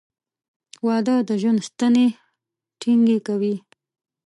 • واده د ژوند ستنې ټینګې کوي.